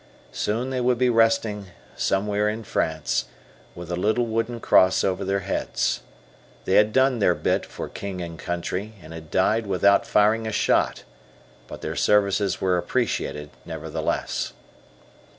Soon they would be resting "somewhere in France," with a little wooden cross over their heads. They had done their bit for King and Country, had died without firing a shot, but their services were appreciated, nevertheless.